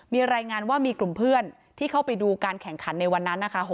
มีรายงานว่ามีกลุ่มเพื่อนที่เข้าไปดูการแข่งขันในวันนั้นนะคะ